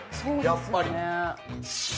やっぱり。